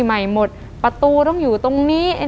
ใหม่หมดประตูต้องอยู่ตรงนี้